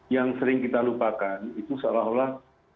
yang sering kita lupakan itu seolah olah